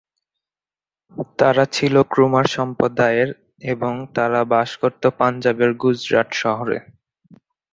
তারা ছিল কুমার সম্প্রদায়ের, এবং তারা বাস করত পাঞ্জাবের গুজরাট শহরে।